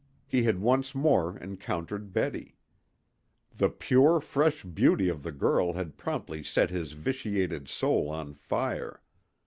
He had once more encountered Betty. The pure fresh beauty of the girl had promptly set his vitiated soul on fire.